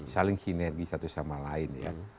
saling kinergi satu sama lain